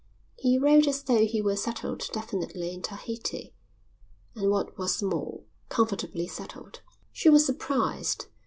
He wrote as though he were settled definitely in Tahiti, and what was more, comfortably settled. She was surprised.